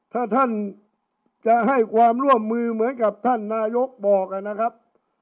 ถ้าท่านจะให้ความร่วมมือเหมือนกับท่านนายกบอกนะครับ